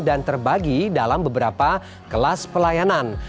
dan terbagi dalam beberapa kelas pelayanan